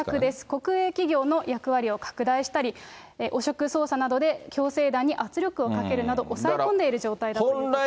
国営企業の役割を拡大したり、汚職捜査などで共青団に圧力をかけるなど、おさえこんでいる状況だということです。